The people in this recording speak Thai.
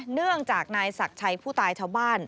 เนื่องจากนายศักดิ์ชัยผู้ตายชาวบ้าน